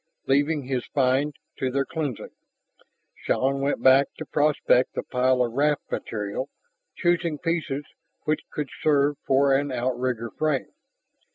Leaving his find to their cleansing, Shann went back to prospect the pile of raft material, choosing pieces which could serve for an outrigger frame.